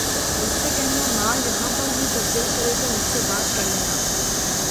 اسے کہنا ماں یہاں پر ہوں جب دل کرے تو مجھ سے بات کر لینا